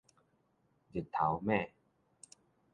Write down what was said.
日頭猛